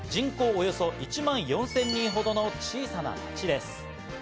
およそ１万４０００人ほどの小さな町です。